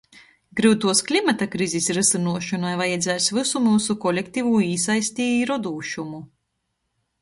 Gryutuos klimata krizis rysynuošonai vajadzēs vysu myusu kolektivū īsaisti i rodūšumu.